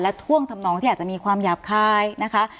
ท่วงทำนองที่อาจจะมีความหยาบคายนะคะ